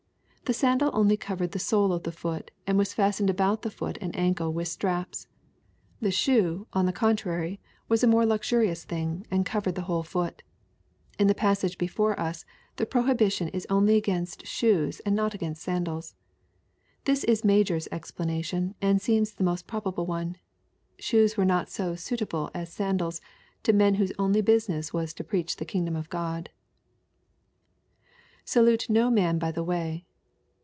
The sandal only covered the sole of the foot and was fastened about the foot and ancle with straps. The snoe, on the contrary, was a more luxurious thin^, and covered the whole foot In fiie passage before us the Srohibition is only against shoes and not against sandals. This is [ajor's explanation, and seems the most probable one. Shoes were not so suitable as sandals to men whose only business was to preach the kingdom of GK>d. [ScdiUe no man by the way.